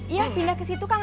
iya pindah ke situ kang